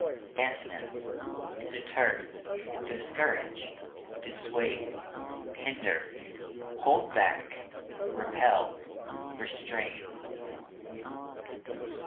Antonyms: deter, discourage, dissuade, hinder, hold back, repel, restrain.